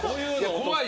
怖い。